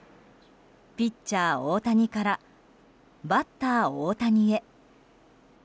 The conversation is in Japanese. ピッチャー大谷からバッター大谷へ。